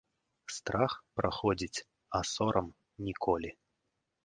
Страх праходзіць, а сорам ніколі.